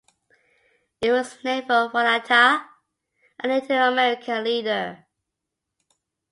It was named for Wanata, a Native American leader.